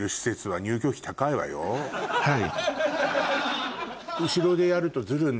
はい。